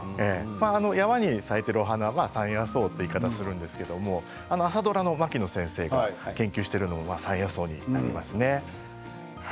山に咲いている花は山野草という言い方をするんですけども朝ドラの槙野先生が研究してるのも山野草ですね。